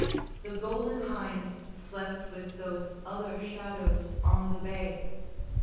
The Golden Hynde Slept with those other shadows on the bay.